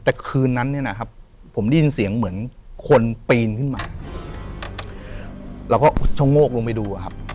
แต่คืนนั้นเนี่ยนะครับผมได้ยินเสียงเหมือนคนปีนขึ้นมาเราก็ชะโงกลงไปดูอะครับ